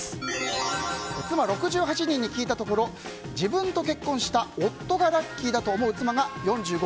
妻６８人に聞いたところ自分と結婚した夫がラッキーだと思う妻が４５．６％。